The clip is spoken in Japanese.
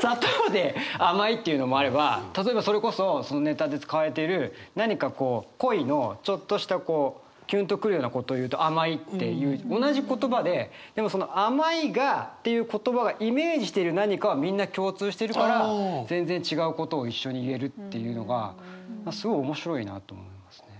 砂糖で甘いっていうのもあれば例えばそれこそネタで使われている何か恋のちょっとしたキュンと来るようなことを言うと甘いって言う同じ言葉ででもその甘いっていう言葉がイメージしている何かはみんな共通してるから全然違うことを一緒に言えるっていうのがすごい面白いなと思いますね。